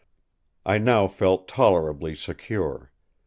I now felt tolerably secure.